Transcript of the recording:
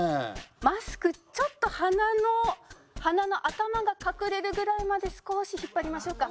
マスクちょっと鼻の鼻の頭が隠れるぐらいまで少し引っ張りましょうか。